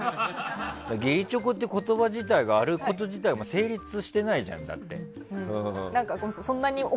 義理チョコって言葉があること自体が成立してないじゃん、だって。